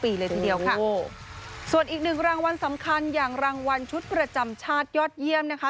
เลยทีเดียวค่ะส่วนอีกหนึ่งรางวัลสำคัญอย่างรางวัลชุดประจำชาติยอดเยี่ยมนะคะ